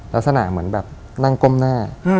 ลักษณะเหมือนแบบนั่งก้มหน้า